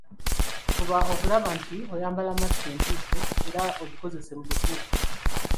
Fuba okulaba nti oyambala masiki entuufu era gikozese mu butuufu.